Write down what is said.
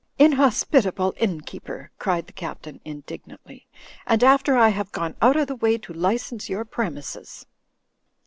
"Inhospitable innkeeper!" cried the Captain, indig nantly. "And after I have gone out of the way to license your premises!